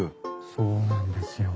そうなんですよ。